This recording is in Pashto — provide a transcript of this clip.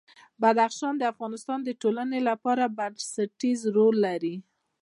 بدخشان د افغانستان د ټولنې لپاره بنسټيز رول لري.